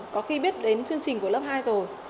có khi biết đến chương trình của lớp hai rồi